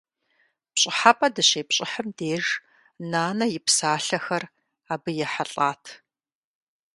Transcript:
ПщӀыхьэпӀэ дыщепщӀыхьым деж, нанэ и псалъэхэр абы ехьэлӀат.